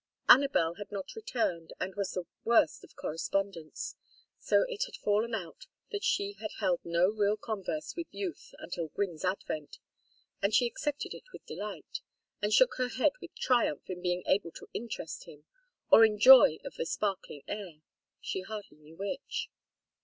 Anabel had not returned and was the worst of correspondents. So it had fallen out that she had held no real converse with youth until Gwynne's advent, and she accepted it with delight, and shook her head with young triumph in being able to interest him or in joy of the sparkling air; she hardly knew which.